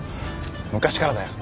昔からだよ。